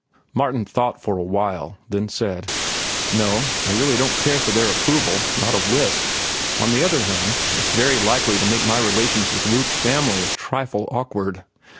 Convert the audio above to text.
Martin thought for a while, then said: "No, I really don't care for their approval, not a whit. On the other hand, it's very likely to make my relations with Ruth's family a trifle awkward.